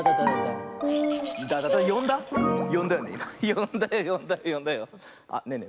よんだよよんだよよんだよ。あっねえね